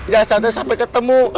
jasadnya sampai ketemu